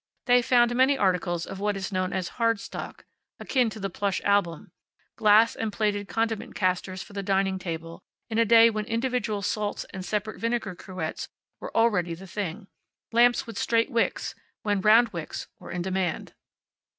They found many articles of what is known as hard stock, akin to the plush album; glass and plated condiment casters for the dining table, in a day when individual salts and separate vinegar cruets were already the thing; lamps with straight wicks when round wicks were in demand.